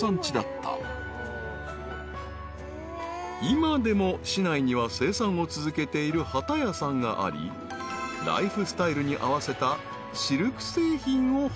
［今でも市内には生産を続けている機屋さんがありライフスタイルに合わせたシルク製品を販売している］